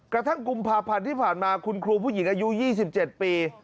กระทั่งกุมภาพันธ์ที่ผ่านมาคุณครูผู้หญิงอายุ๒๗ปี